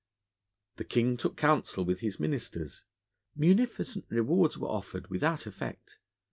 The King took counsel with his ministers: munificent rewards were offered, without effect.